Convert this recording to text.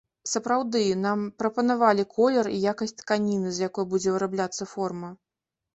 Сапраўды, нам прапанавалі колер і якасць тканіны, з якой будзе вырабляцца форма.